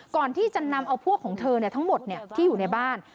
ก่อนที่จะนำเอาพวกของเธอทั้งหมดที่อยู่ในบ้าน